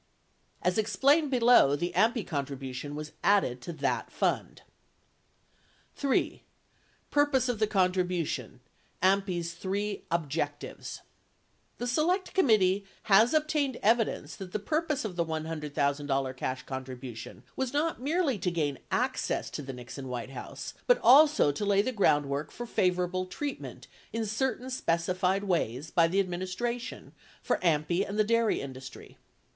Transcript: As explained below the AMPI contribution was added to that fund. 3. PURPOSE OP THE CONTRIBUTION AMPl's THREE "OBJECTIVES" The Select Committee has obtained evidence that the purpose of the $100,000 cash contribution was not merely to gain "access" to the Nixon "White House, but also to lay the groundwork for favorable treatment in certain specified ways by the administration for AMPI and the dairy industry.